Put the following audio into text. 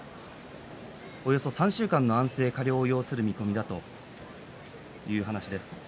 およそ３週間の安静、加療を要する見込みだということです。